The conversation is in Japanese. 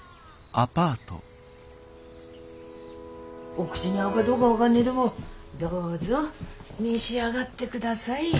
お口に合うかどうが分がんねどもどうぞ召し上がってください。